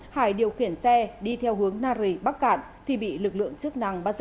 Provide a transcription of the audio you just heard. hải điều khiển xe đi theo hướng nari bắt cản thì bị lực lượng chức năng bắt giữ